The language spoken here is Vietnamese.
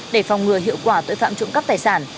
để phòng ngừa hiệu quả tội phạm trộm cắp tài sản